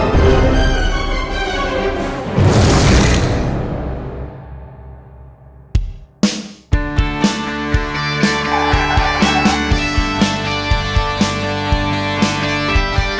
dan aku bangkitkan dulu